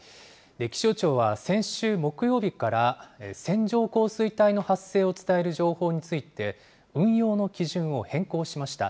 気象庁は先週木曜日から線状降水帯の発生を伝える情報について、運用の基準を変更しました。